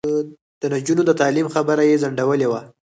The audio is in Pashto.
د نجونو د تعلیم خبره یې ځنډولې وه.